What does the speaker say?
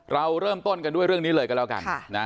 เราเริ่มต้นกันด้วยเรื่องนี้เลยก็แล้วกัน